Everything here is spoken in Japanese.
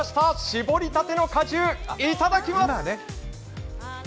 絞りたての果汁、いただきます！